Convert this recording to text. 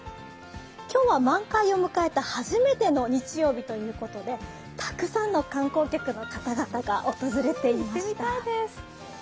今日は満開を迎えた初めての日曜日ということでたくさんの観光客の方々が訪れていました。